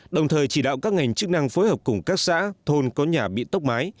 đồng thời chỉ đạo các ngành chức năng phối hợp cùng các xã thôn có nhà bị tốc mái